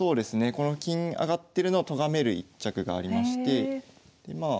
この金上がってるのをとがめる一着がありましてまあ